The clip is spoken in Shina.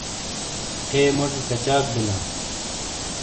تھے موجی کچاک بِیلاں۔